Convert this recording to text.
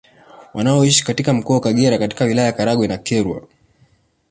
Wanaoishi katika mkoa wa Kagera katika wilaya ya Karagwe na Kyerwa